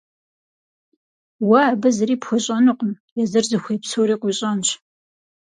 Уэ абы зыри пхуещӏэнукъым, езыр зыхуей псори къуищӏэнщ.